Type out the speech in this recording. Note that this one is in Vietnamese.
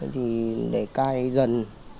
thì để cai dần